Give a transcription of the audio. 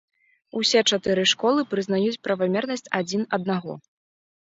Усе чатыры школы прызнаюць правамернасць адзін аднаго.